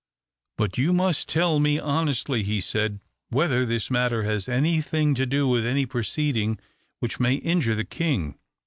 "But you must tell me honestly," he said, "whether this matter has any thing to do with any proceeding which may injure the king.